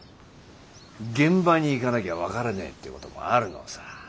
現場に行かなきゃ分からねえってこともあるのさ。